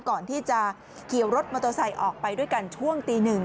ก่อนที่จะขี่รถมอเตอร์ไซค์ออกไปด้วยกันช่วงตีหนึ่ง